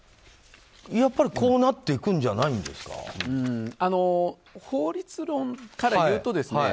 やっぱりこうなっていくんじゃ法律論からいうとですね